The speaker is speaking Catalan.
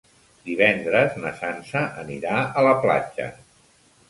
Divendres na Sança anirà a la platja.